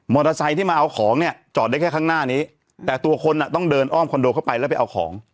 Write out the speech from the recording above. ที่มาเอาของเนี่ยจอดได้แค่ข้างหน้านี้แต่ตัวคนอ่ะต้องเดินอ้อมคอนโดเข้าไปแล้วไปเอาของ